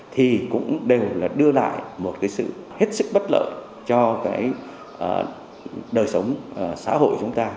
thì cũng đều là đưa lại một cái sự hết sức bất lợi cho cái đời sống xã hội chúng ta